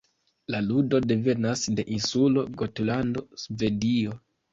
La ludo devenas de insulo Gotlando, Svedio.